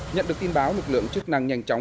nhận được tin báo lực lượng chức năng nhanh chóng